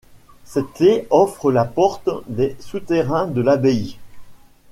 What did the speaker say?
Cette clef ouvre la porte des souterrains de l'abbaye.